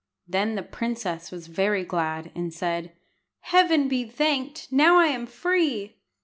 Then the princess was very glad, and said "Heaven be thanked! Now I am free!"